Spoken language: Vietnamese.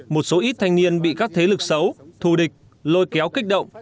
một số ít thanh niên bị các thế lực xấu thù địch lôi kéo kích động